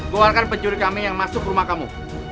keluarkan pencuri kami yang masuk ke rumah kamu